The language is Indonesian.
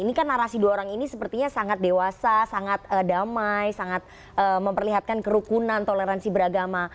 ini kan narasi dua orang ini sepertinya sangat dewasa sangat damai sangat memperlihatkan kerukunan toleransi beragama